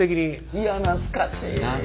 いや懐かしい。